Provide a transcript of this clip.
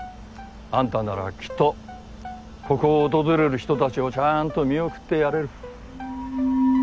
あんたならきっとここを訪れる人たちをちゃんと見送ってやれる。